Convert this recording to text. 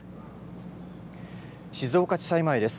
静岡地裁前です。